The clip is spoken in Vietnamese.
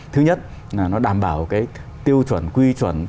thứ nhất là nó đảm bảo cái tiêu chuẩn quy chuẩn